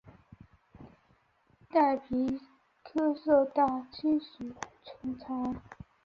坦皮科受到气旋重创。